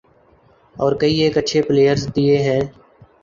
اور کئی ایک اچھے پلئیرز دیے ہیں۔